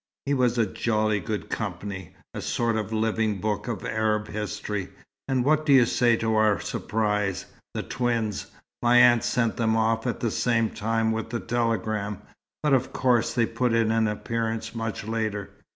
He was jolly good company, a sort of living book of Arab history. And what do you say to our surprise, the twins? My aunt sent them off at the same time with the telegram, but of course they put in an appearance much later.